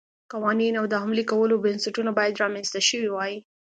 قوانین او د عملي کولو بنسټونه باید رامنځته شوي وای